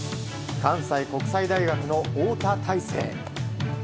関西国際大学の翁田大勢。